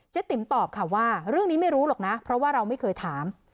ติ๋มตอบค่ะว่าเรื่องนี้ไม่รู้หรอกนะเพราะว่าเราไม่เคยถาม